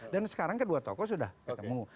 dan sekarang kedua toko sudah ketemu